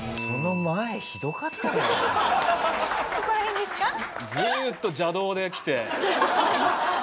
その前ひどかったもんね。